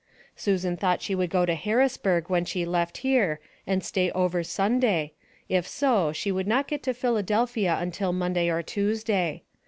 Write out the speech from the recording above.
Susan thought she would go to Harrisburg when she left here and stay over Sunday, if so, she would not get to Philadelphia till Monday or Tuesday.